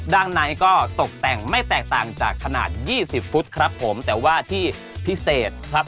ในก็ตกแต่งไม่แตกต่างจากขนาดยี่สิบฟุตครับผมแต่ว่าที่พิเศษครับ